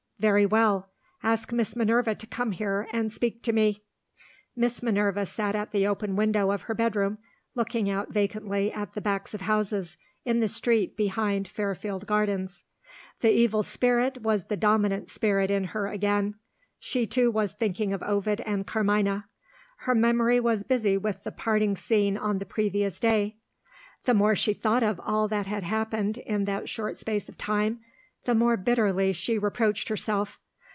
"Very well. Ask Miss Minerva to come here, and speak to me." Miss Minerva sat at the open window of her bedroom, looking out vacantly at the backs of houses, in the street behind Fairfield Gardens. The evil spirit was the dominant spirit in her again. She, too, was thinking of Ovid and Carmina. Her memory was busy with the parting scene on the previous day. The more she thought of all that had happened in that short space of time, the more bitterly she reproached herself.